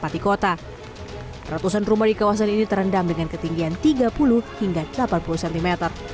ratusan rumah di kawasan ini terendam dengan ketinggian tiga puluh hingga delapan puluh cm